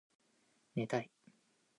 寝たい